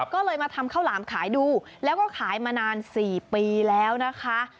ก็เลยมาทำข้าวหลามขายดูแล้วก็ขายมานาน๔ปีแล้วนะคะ